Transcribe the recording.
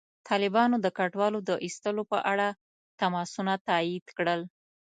طالبانو د کډوالو د ایستلو په اړه تماسونه تایید کړل.